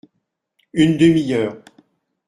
Une demi-heure.